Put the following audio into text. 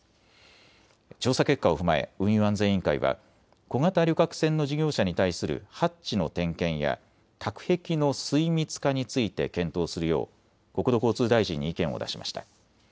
調査結果を踏まえ運輸安全委員会は小型旅客船の事業者に対するハッチの点検や隔壁の水密化について検討するよう国土交通大臣に意見を出しました。